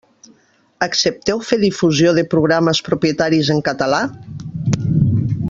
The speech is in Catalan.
Accepteu fer difusió de programes propietaris en català?